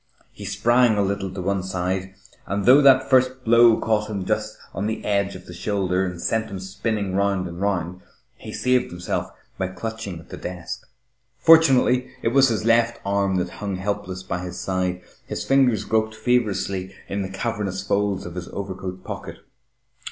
He sprang a little on one side, and though that first blow caught him just on the edge of the shoulder and sent him spinning round and round, he saved himself by clutching at the desk. Fortunately, it was his left arm that hung helpless by his side. His fingers groped feverishly in the cavernous folds of his overcoat pocket.